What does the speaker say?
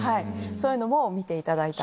そういうのも見ていただいたら。